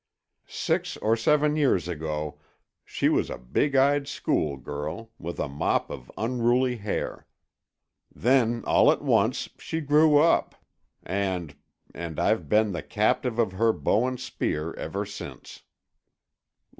Six or seven years ago she was a big eyed school girl, with a mop of unruly hair. Then all at once, she grew up, and—and I've been the captive of her bow and spear ever since.